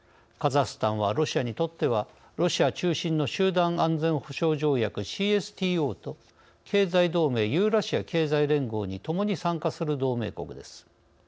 カザフスタンはロシアにとってはロシア中心の集団安全保障条約機構＝ＣＳＴＯと経済同盟ユーラシア経済連合にともに参加する同盟国です。